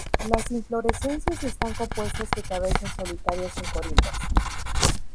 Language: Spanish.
Las inflorescencias están compuestas de cabezas solitarias en corimbos.